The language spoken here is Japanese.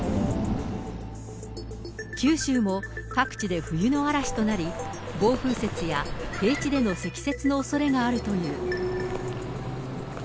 九州も各地で冬の嵐となり、暴風雪や平地での積雪のおそれがあるという。